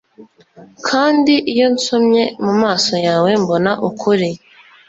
kandi iyo nsomye mumaso yawe mbona ukuri